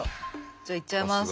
じゃあいっちゃいます。